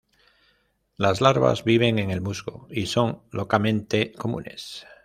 Las larvas viven en el musgo y son locamente comunes.